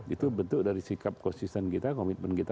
itu bentuk dari sikap konsisten kita komitmen kita